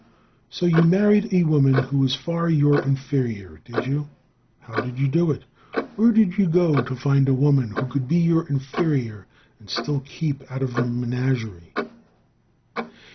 So you married a woman who was far your inferior, did you? How did you do it? Where did you go to find a woman who could be your inferior and still keep out of the menagerie?